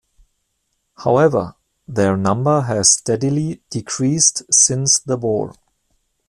However, their number has steadily decreased since the war.